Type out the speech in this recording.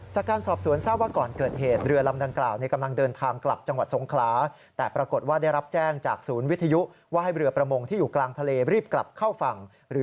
จากการสอบสวนเศร้าว่าก่อนเกิดเหตุ